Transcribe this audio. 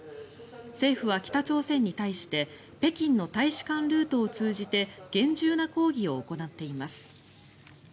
政府は北朝鮮に対して北京の大使館ルートを通じて厳重な抗議を行っています。